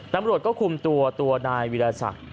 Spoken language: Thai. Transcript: ตำรวจก็คุมตัวตัวนายวิราศักดิ์